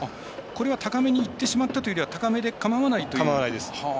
高めにいってしまったというよりは高めで構わないという。